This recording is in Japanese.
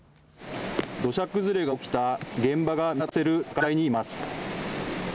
土砂崩れが起きた現場が見渡せる高台にいます。